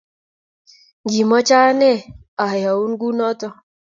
Ngimocho anee, ayaun kunoto